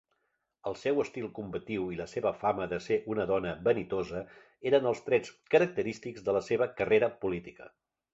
El seu estil combatiu i la seva fama de ser una dona vanitosa eren els trets característics de la seva carrera política.